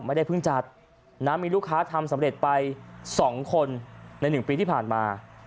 ไม่ได้เพิ่งจัดนะมีลูกค้าทำสำเร็จไป๒คนใน๑ปีที่ผ่านมา